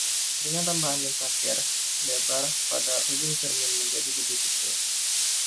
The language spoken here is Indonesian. Dengan tambahan lensa Kerr, lebar pada ujung cermin menjadi lebih kecil.